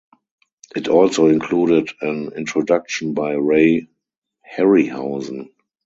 It also included an introduction by Ray Harryhausen.